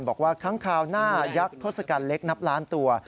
บอกว่าค้างคราวหน้ายักษ์ทศกัณฐ์เล็กนับล้านตัว